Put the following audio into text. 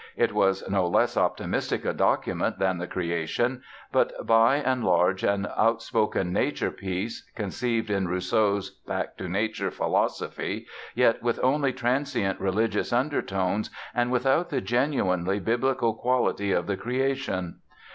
It was no less optimistic a document than "The Creation", but by and large an outspoken Nature piece (conceived in Rousseau's "Back to Nature" philosophy), yet with only transient religious undertones and without the genuinely Biblical quality of "The Creation".